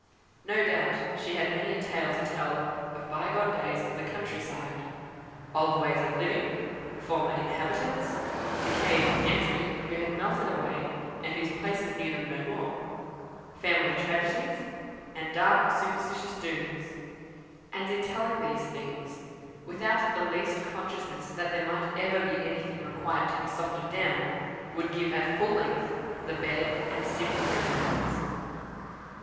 No doubt she had many a tale to tell of by gone days of the country side; old ways of living, former inhabitants, decayed gentry, who had melted away, and whose places knew them no more; family tragedies, and dark superstitious dooms; and in telling these things, without the least consciousness that there might ever be anything requiring to be softened down, would give at full length the bare and simple details.